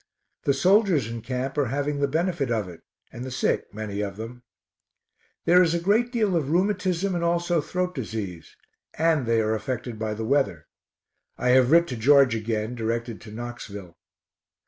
The soldiers in camp are having the benefit of it, and the sick, many of them. There is a great deal of rheumatism and also throat disease, and they are affected by the weather. I have writ to George again, directed to Knoxville.